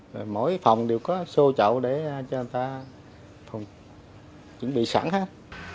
rồi mỗi phòng đều có xô chậu để cho người ta chuẩn bị sẵn hết